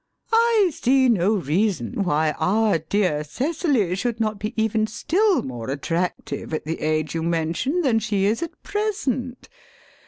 I see no reason why our dear Cecily should not be even still more attractive at the age you mention than she is at present.